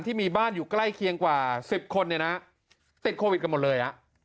ที่มีบ้านอยู่ใกล้เคียงกว่า๑๐คนเนี่ยนะติดโควิดกันหมดเลย